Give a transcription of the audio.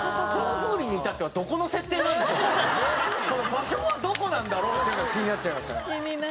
場所はどこなんだろうっていうのが気になっちゃいましたね。